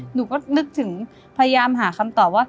หนูก็นึกถึงพยายามหาคำตอบว่า